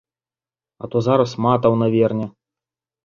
А то зараз матаў наверне.